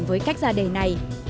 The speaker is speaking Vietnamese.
với cách ra đề này